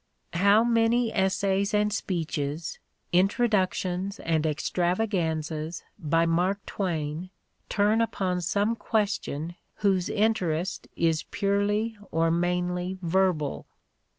How many essays and speeches, introductions and extravaganzas by Mark Twain turn upon some question whose interest is purely or mainly verbal!